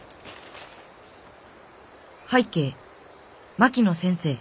「拝啓槙野先生。